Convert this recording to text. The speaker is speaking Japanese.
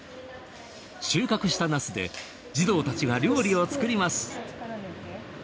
収穫したナスで児童たちが料理を作ります。